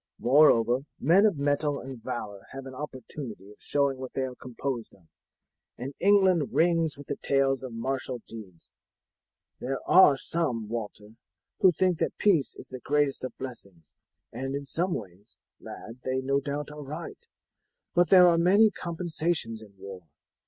Moreover, men of mettle and valour have an opportunity of showing what they are composed of, and England rings with the tales of martial deeds. There are some, Walter, who think that peace is the greatest of blessings, and in some ways, lad, they are no doubt right; but there are many compensations in war.